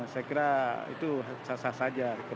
saya kira itu sasar saja